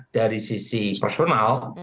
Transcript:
dari sisi personal